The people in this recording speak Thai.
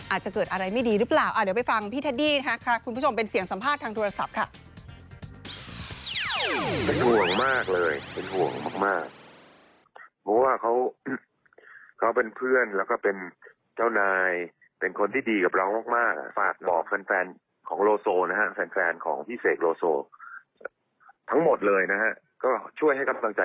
อาจจะเกิดอะไรไม่ดีหรือเปล่าเดี๋ยวไปฟังพี่เทดดี้นะคะคุณผู้ชมเป็นเสียงสัมภาษณ์ทางโทรศัพท์ค่ะ